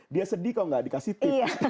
dia sedih kalau tidak dikasih tip